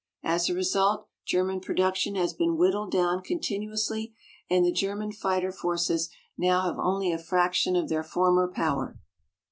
As a result, German production has been whittled down continuously, and the German fighter forces now have only a fraction of their former power.